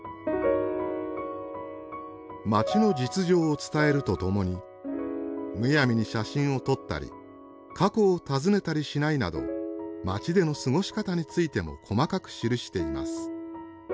街の実情を伝えるとともにむやみに写真を撮ったり過去を尋ねたりしないなど街での過ごし方についても細かく記しています。